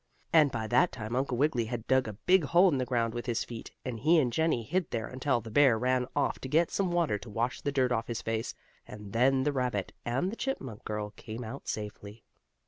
And by that time Uncle Wiggily had dug a big hole in the ground with his feet, and he and Jennie hid there until the bear ran off to get some water to wash the dirt off his face, and then the rabbit and the chipmunk girl came out safely.